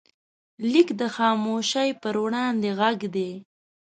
لیک د خاموشۍ پر وړاندې غږ دی.